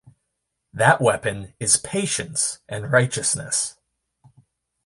That weapon is patience and righteousness.